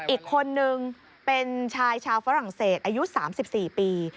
อีกคนนึงเป็นชายชาวฝรั่งเศสอายุ๓๔ปี